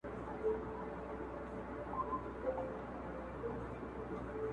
څه را مه که، زړه مي ازار مه که.